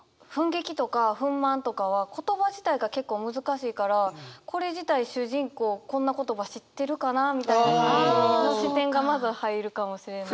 「憤激」とか「憤懣」とかは言葉自体が結構難しいからこれ自体主人公こんな言葉知ってるかなみたいな感じの視点がまず入るかもしれない。